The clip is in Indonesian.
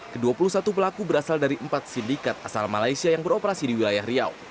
ke dua puluh satu pelaku berasal dari empat sindikat asal malaysia yang beroperasi di wilayah riau